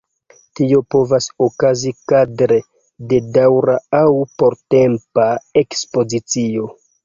Tio povas okazi kadre de daŭra aŭ portempa ekspozicio.